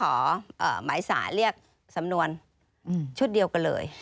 อาหารแหลกชุดเดียวกะเลย